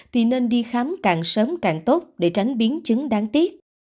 thì nên đi khám càng sớm càng tốt để tránh biến chứng đáng tiếc